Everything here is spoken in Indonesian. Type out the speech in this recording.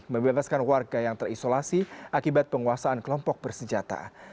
membebaskan warga yang terisolasi akibat penguasaan kelompok bersenjata